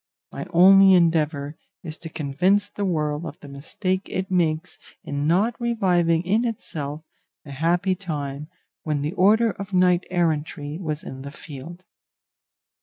My only endeavour is to convince the world of the mistake it makes in not reviving in itself the happy time when the order of knight errantry was in the field.